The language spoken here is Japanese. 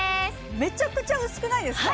めちゃくちゃ薄くないですか？